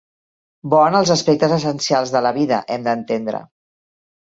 Bo en els aspectes essencials de la vida, hem d'entendre.